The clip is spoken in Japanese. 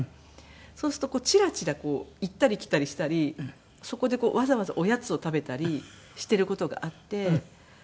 そうするとチラチラ行ったり来たりしたりそこでわざわざおやつを食べたりしている事があって。